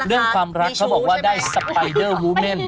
เรื่องความรักเขาบอกว่าได้สไปเดอร์วูเม่น